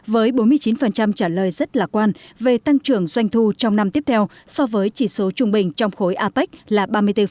với bốn mươi chín trả lời rất lạc quan về tăng trưởng doanh thu trong năm tiếp theo so với chỉ số trung bình trong khối apec là ba mươi bốn